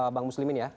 bang muslimin ya